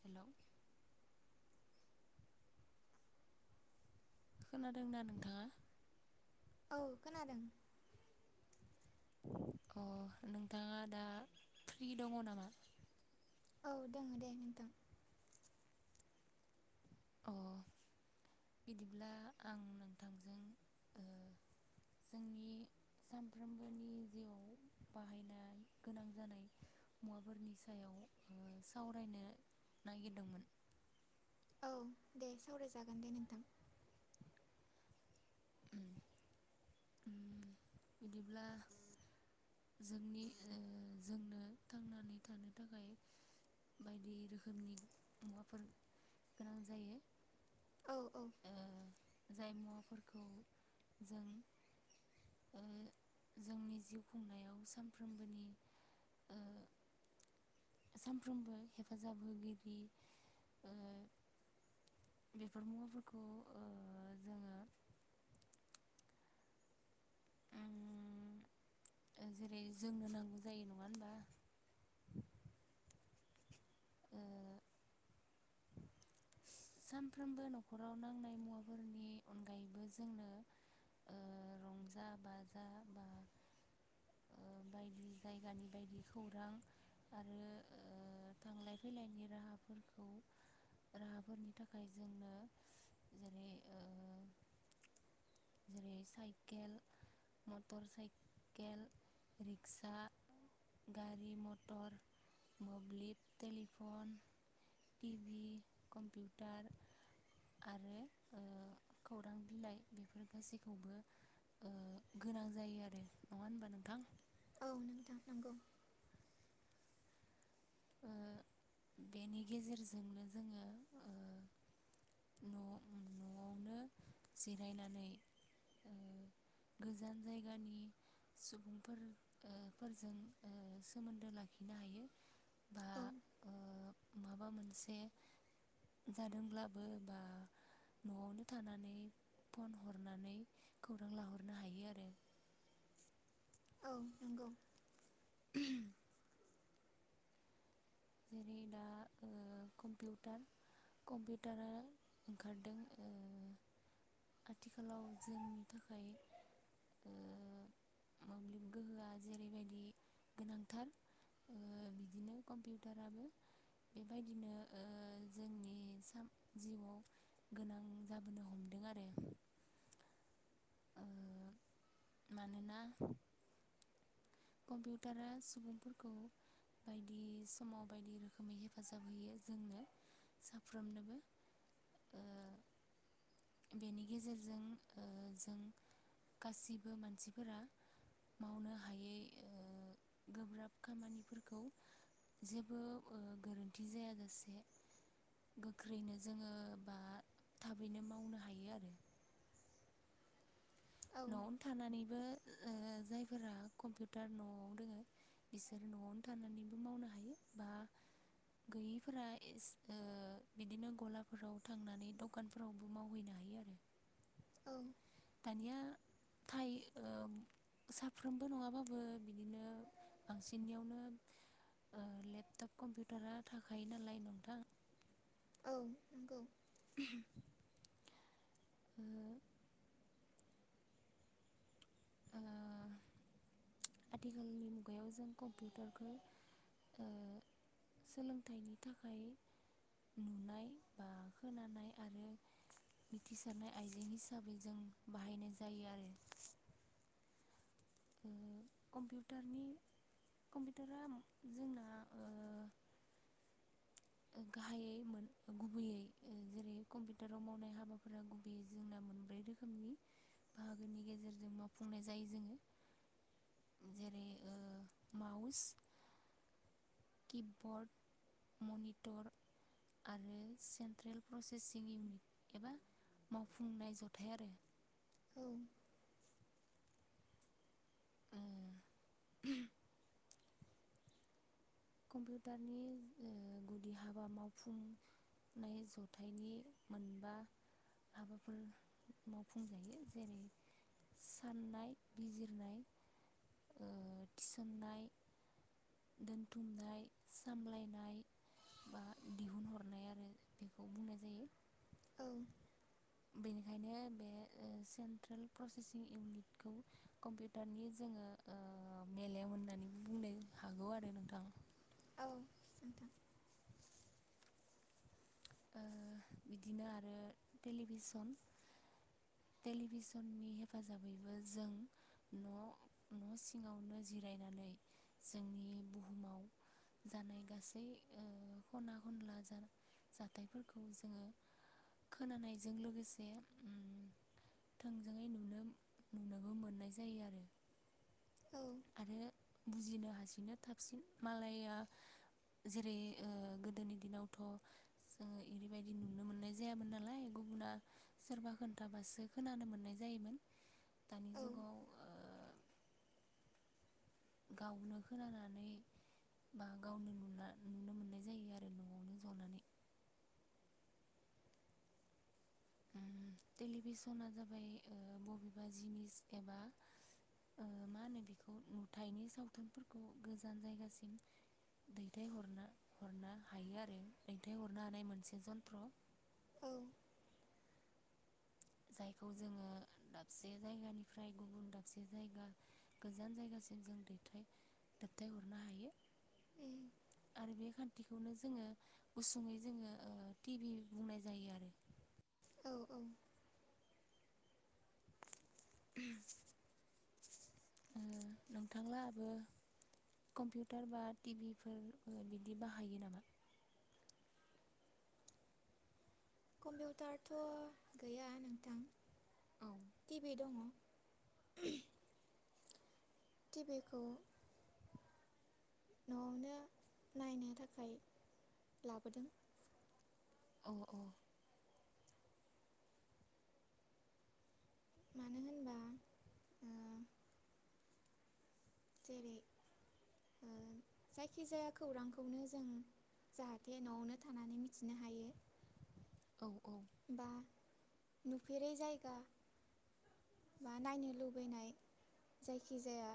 Hello खोनादों दा नोंथाङा? औ खोनादों अ नोंथाङा दा फ्रि दङ नामा? औ दङ दे नोंथां अ बिदिब्ला आं नोंथांजों ओ जोंनि सानफ्रोमबोनि जिउआव बाहायनाय गोनां जानाय मुवाफोरनि सायाव ओ सावरायनो नागिरदोंमोन। औ दे सावरायजागोन दे नोंथां उम बिदिब्ला जोंनि ओ जोंनो थांनानै थानो थाखाय बायदि रोखोमनि मुवाफोर गोनां जायो। औ औ ओ जाय मुवाफोरखौ जों ओ जोंनि जिउ खुंनायाव सानफ्रोमबोनि ओ सानफ्रोमबो हेफाजाब होगिरि ओ बेफोर मुवाफोरखौ ओ जोङो ओम जेरै जोंनो नांगौ जायो नङा होनबा ओ सानफ्रोमबो न'खराव नांनाय मुवाफोरनि अनगायैबो जोंनो ओ रंजा बाजा बा ओ बायदि जायगानि बायदि खौरां आरो ओ थांलाय फैलायनि राहाफोरखौ राहाफोरनि थाखाय जोंनो जेरै जेरै साइकेल मटर साइकेल रिक्सा गारि मटर मोब्लिब टेलिफन टिभि कम्पिउटार आरो ओ खौरां बिलाइ बेफोर गासैखौबो गोनां जायो आरो नङा होनबा नोंथां औ नोंथां नंगौ ओ बेनि गेजेरजोंनो जोंङो ओ न' न'आवनो ओ जिरायनानै गोजान जायगानि सुबुंफोर ओ फोरजों ओ सोमोन्दो लाखिनो हायो बा औ ओ माबा मोनसे जादोंब्लाबो बा न'आवनो थानानै फन हरनानै खौरां लाहरनो हायो आरो औ नंगौ [unintelligible] जेरै दा ओ कम्पिउटार कम्पिउटारा ओंखारदों ओ आथिखालाव जोंनि थाखाय ओ मोब्लिब गोहोआ जेरैबायदि गोनांथार ओ बिदिनो कम्पिउ टाराबो बेबायदिनो ओ जोंनि सान‌ जिउआव गोनां जाबोनो हमदों आरो ओ मानोना कम्पिउटारा सुबुंफोरखौ बायदि समाव बायदि रोखोमै हेफाजाब होयो जोंनो साफ्रोमनोबो ओ बेनि गेजेरजों ओ जों गासिबो मानसिफोरा मावनो हायै ओ गोब्राब खामानिफोरखौ जेबो गोरोन्थि जायाजासे गोख्रैनो जोंङो बा थाबैनो मावनो हायो आरो औ न'आवनो थानानैबो ओ जायफोरा कम्पिउटार न'आव दोङो बिसोर न'आवनो थानानैबो मावनो हायो बा गैयैफोरा ओ बिदिनो गलाफोराव थांनानै दखानफोरावबो मावहैनो हायो आरो औ दानिया थायो ओ साफ्रोमबो नङाबाबो बिदिनो बांसिननियावनो ओ लेपटप कम्पिउटारा थाखायो नालाय नोंथां औ नंगौ [unintelligible] ओ आथिखालनि मुगायाव जों कम्पिउटारखौ ओ सोलोंथाइनि थाखाय नुनाय बा खोनानाय आरो मिथिसारनाय आइजें हिसाबै जों बाहायनाय जायो आरो ओ कम्पिउटारनि कम्पिउटारा जोंना ओ गाहायै मोन गुबैयै जेरै कम्पिउटाराव मावनाय हाबाफोरा गुबैयै जोंना मोनब्रै रोखोमनि बाहागोनि गेजेरजों मावफुंनाय जायो जोङो जेरै ओ माउस किबर्ड मनिटर आरो सेन्ट्रेल प्रसेसिं इउनिट एबा मावफुंनाय जथाय आरो औ ओ कम्पिउटारनि ओ गुदि हाबा मावफुंनाय जथायनि मोनबा हाबाफोर मावफुंजायो जेरै साननाय बिजिरनाय ओ थिसननाय दोनथुमनाय सामलायनाय बा दिहुनहरनाय आरो बेखौ बुंनाय जायो। औ बेनिखायनो बे ओ सेन्ट्रेल प्रसेसिं इउनिटखौ कम्पिउटारनि जोंङो ओ मेलेम होननानै बुंनो हागौ आरो नोंथां। औ नोंथां ओ बिदिनो आरो टेलिभिसन टेलिभिसननि हेफाजाबैबो जों न' न' सिङावनो जिरायनानै जोंनि बुहुमाव जानाय गासै ओ खना खनला जाथायफोरखौ जोंङो खोनानायजों लोगोसे थोंजोङै नुनो नुनोबो मोननाय जायो आरो औ आरो बुजिनो हासिनो थाबसिन मालाया जेरै ओ गोदोनि दिनावथ' जोंङो ओरैबायदि नुनो मोननाय जायामोन नालाय गुबुना सोरबा खोन्थाबासो खोनानो मोननाय जायोमोन दानि औ जुगाव ओ गावनो खोनानानै बा गावनो नुना नुनो मोननाय जायो आरो न'आवनो जनानै ओ टेलिभिसना जाबाय बबेबा जिनिस एबा मा होनो बेखौ नुथायनि सावथुनफोरखौ गोजान जायगासिम दैथायहरना हरनो हायो आरो दैथायहरनो हानाय मोनसे जन्थ्र औ जायखौ जोङो दाबसे जायगानिफ्राय गुबुन दाबसे जायगा गोजान जायगासिम जों दैथाय दोबथायहरनो हायो उम आरो बे खान्थिखौनो जोङो गुसुङै जोङो ओ टिभि बुंनाय जायो आरो औ औ [unintelligible] ओ नोंथांलाहाबो कम्पिउटार बा टिभिफोर ओ बिदि बाहायो नामा कम्पिउटारथ' गैया नोंथां औ टिभि दंङ टिभिखौ न'आवनो नायनो थाखाय लाबोदों। औ औ मानो होनबा ओ जेरै ओ जायखिजाया खौरांखौनो जों जाहाथे न'आवनो थानानै मिथिनो हायो। औ औ बा नुफेरै जायगा बा नायनो लुबैनाय जायखिजाया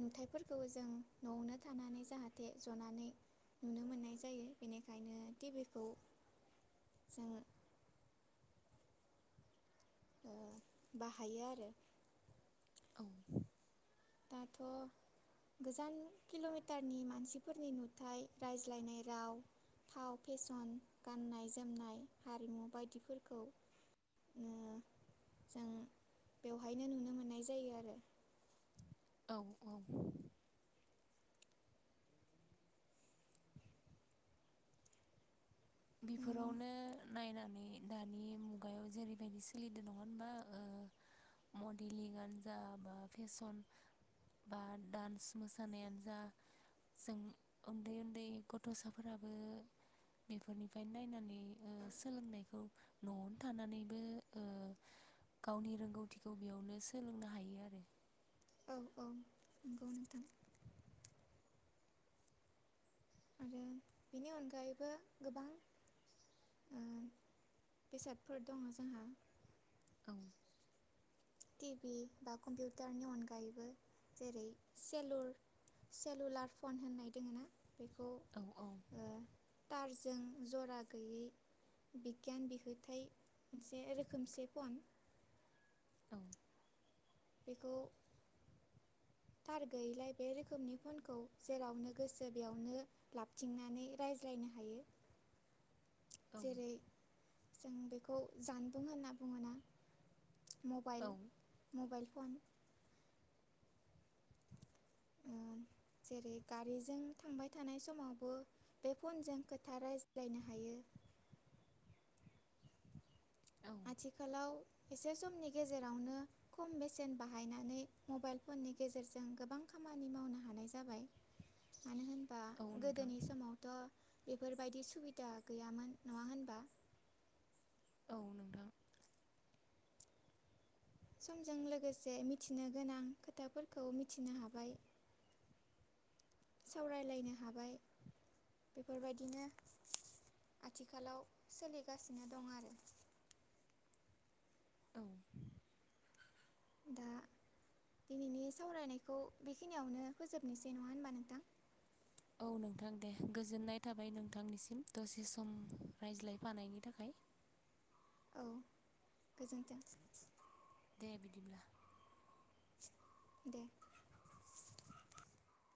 नुथायफोरखौ जों न'आवनो थानानै जाहाथे जनानै नुनो मोननाय जायो बेनिखायनो टिभिखौ जोंङो ओ बाहायो आरो औ दाथ' गोजान किल'मिटारनि मानसिफोरनि नुथाय रायज्लायनाय राव फाव फेसन गाननाय जोमनाय हारिमु बायदिफोरखौ ओ जों बेवहायनो नुनो मोननाय जायो आरो। औ औ उम बेफोरावनो नायनानै दानि मुगायाव जेरैबायदि सोलिदों नंङा होनबा ओ मडेलिंआनो जा बा फेसन बा डान्स मोसानायानो जा जों उन्दै उन्दै गथ'साफोराबो बेफोरनि फायनो नायनानै ओ सोलोंनायखौ न'आवनो थानानैबो ओ गावनि रोंगौथिखौ बेयावनो सोलोंनो हायो आरो। औ औ नंगौ नोंथां आरो बेनि अनगायैबो गोबां ओ बेसादफोर दंङ जोंहा औ टिभि बा कम्पिउटारनि अनगायैबो जेरै सेलुल सेलुलार फन होननाय दोंङो ना बेखौ औ औ ओ थारजों जरा गैयै बिगियान बिहोथाय मोनसे रोखोमसे फन औ बेखौ थार गैयैलाय बे रोखोमनि फनखौ जेरावनो गोसो बेयावनो लाबथिंनानै रायज्लायनो हायो। जेरै जों बेखौ जानबुं होनना बुंङोना। औ मबाइल मबाइल फन उम जेरै गारिजों थांबाय थानाय समावबो बे फनजों खोथा रायज्लायनो हायो। औ आथिखालाव एसे समनि गेजेरावनो खम बेसेन बाहायनानै मबाइल फननि गेजेरजों गोबां खामानि मावनो हानाय जाबाय मानो होन बा औ नोंथां गोदोनि समावथ' बे बेफोरबायदि सुबिदा गैयामोन नंङा होनबा औ नोंथां समजों लोगोसे मिथिनो गोनां खोथाफोरखौ मिथिनो हाबाय सावरायलायनो हाबाय बेफोरबायदिनो आथिखालाव सोलिगासिनो दं आरो औ दा दिनैनि सावरायनायखौ बेखिनियावनो फोजोबनोसै नंङा होनबा नोंथां औ नोंथां दे गोजोननाय थाबाय नोंथांनिसिम दसे सम रायज्लायफानायनि थाखाय। औ गोजोन्थों दे बिदिब्ला दे